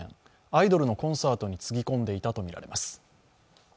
アイドルのコンサートにつぎ込んでいたとみられます。